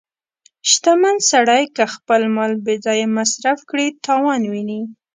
• شتمن سړی که خپل مال بې ځایه مصرف کړي، تاوان ویني.